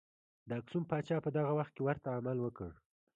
د اکسوم پاچا په دغه وخت کې ورته عمل وکړ.